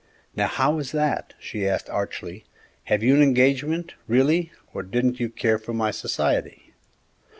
Now, how is that?" she asked archly; "have you an engagement, really, or didn't you care for my society?"